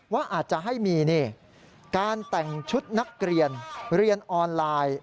ว่าอาจจะให้มีการแต่งชุดนักเรียนเรียนออนไลน์